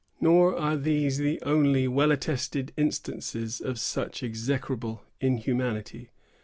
Nor are these the only well attested instances of such execrable inhumanity.